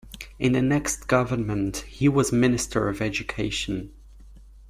In the next government, he was Minister of Education.